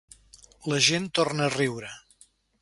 La gent torna a riure.